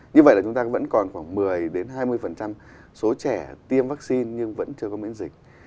như vậy là chúng ta vẫn còn khoảng một mươi hai mươi số trẻ tiêm vaccine nhưng vẫn chưa có miễn dịch